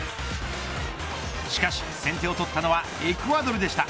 しかし、先手を取ったのはエクアドルでした。